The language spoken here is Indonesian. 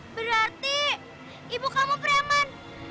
berarti ibu kamu preman